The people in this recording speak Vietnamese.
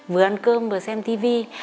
vừa ăn cơm vừa xem tivi